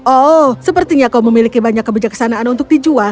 oh sepertinya kau memiliki banyak kebijaksanaan untuk dijual